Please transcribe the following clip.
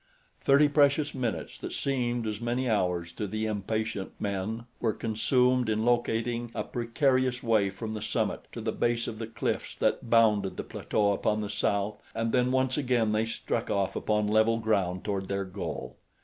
Thirty precious minutes that seemed as many hours to the impatient men were consumed in locating a precarious way from the summit to the base of the cliffs that bounded the plateau upon the south, and then once again they struck off upon level ground toward their goal.